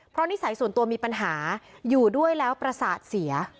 เพราะนิสัยส่วนตัวมีปัญหาอยู่ด้วยแล้วประสาทเสีย